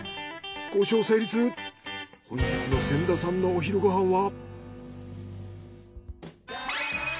本日の仙田さんのお昼ご飯は。